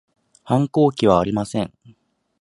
反抗期はありません